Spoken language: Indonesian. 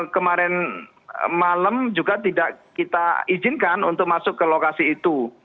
kemarin malam juga tidak kita izinkan untuk masuk ke lokasi itu